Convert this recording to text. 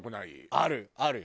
あるある。